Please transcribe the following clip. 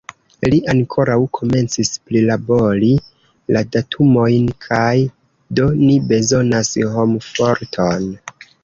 Li ankaŭ komencis prilabori la datumojn kaj do ni bezonas homforton.